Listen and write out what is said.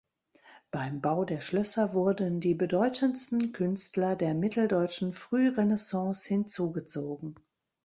Beim Bau der Schlösser wurden die bedeutendsten Künstler der mitteldeutschen Frührenaissance hinzugezogen.